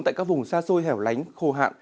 tại các vùng xa xôi hẻo lánh khô hạn